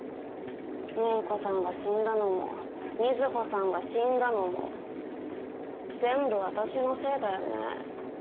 芽衣子さんが死んだのも水帆さんが死んだのも全部私のせいだよね。